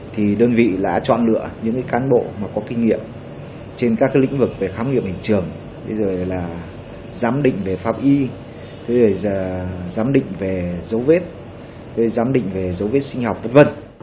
thì đơn vị đã chọn lựa những cái cán bộ mà có kinh nghiệm trên các cái lĩnh vực về khám nghiệm hình trường bây giờ là giám định về pháp y giám định về dấu vết giám định về dấu vết sinh học v v